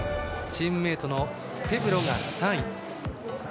チームメートのフェブロが３位。